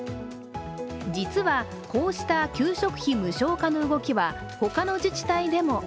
実は、こうした給食費無償化の動きは他の自治体でも。